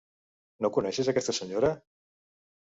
No coneixes aquesta senyora?